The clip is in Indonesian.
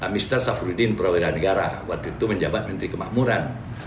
mr safruddin perwira negara waktu itu menjawab menteri kemakmuran